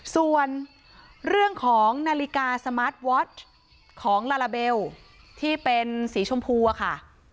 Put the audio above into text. ส่วนเรื่องของนาฬิกาสมาร์ทวอชของลาลาเบลที่เป็นสีชมพูอะค่ะ